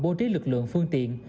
bố trí lực lượng phương tiện